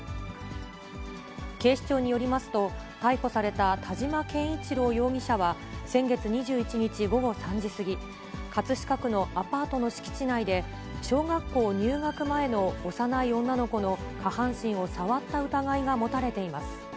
警視庁によりますと、逮捕された田島憲一郎容疑者は、先月２１日午後３時過ぎ、葛飾区のアパートの敷地内で、小学校入学前の幼い女の子の下半身を触った疑いが持たれています。